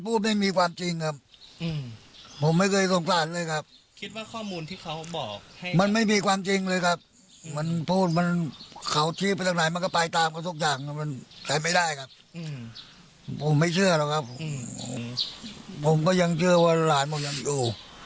ผมไม่เชื่อหรอกครับผมก็ยังเชื่อว่าหลานมันยังอยู่